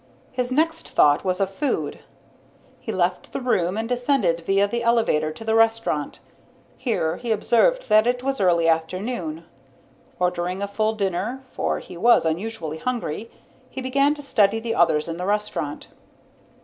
His next thought was of food. He left the room and descended via the elevator to the restaurant. Here he observed that it was early afternoon. Ordering a full dinner, for he was unusually hungry, he began to study the others in the restaurant.